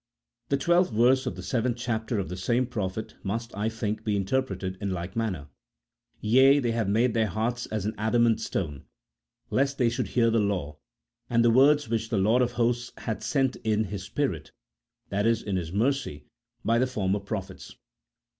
The twelfth verse of the seventh chapter of the same prophet must, I think, be interpreted in like manner :" Yea, they made their hearts as an adamant stone, lest they should hear the law, and the words which the Lord of hosts hath sent in His Spirit [i.e. in His mercy] by the former prophets."